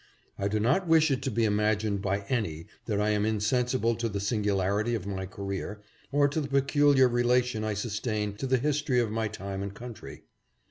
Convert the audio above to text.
I do not wish it to be imagined by any that I am insensible to the singularity of my career, or to the peculiar relation I sustain to the history of my time and country.